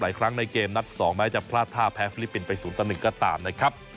ครั้งในเกมนัด๒แม้จะพลาดท่าแพ้ฟิลิปปินส์ไป๐ต่อ๑ก็ตามนะครับ